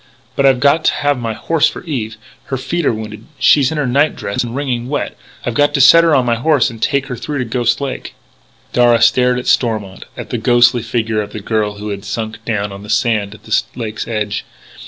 "But I've got to have my horse for Eve. Her feet are wounded. She's in her night dress and wringing wet. I've got to set her on my horse and try to take her through to Ghost Lake." Darragh stared at Stormont, at the ghostly figure of the girl who had sunk down on the sand at the lake's edge.